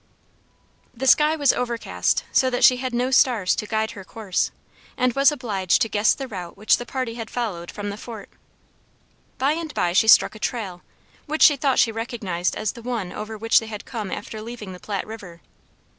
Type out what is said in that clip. The sky was overcast, so that she had no stars to guide her course, and was obliged to guess the route which the party had followed from the Fort. By and by she struck a trail, which she thought she recognized as the one over which they had come after leaving the Platte River.